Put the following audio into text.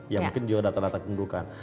ya mungkin juga data data kedudukan